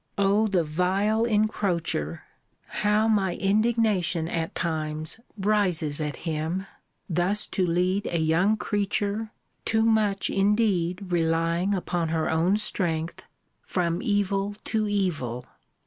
O the vile encroacher! how my indignation, at times, rises at him! thus to lead a young creature (too much indeed relying upon her own strength) from evil to evil!